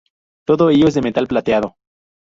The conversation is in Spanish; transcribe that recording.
Todo ello es de metal plateado.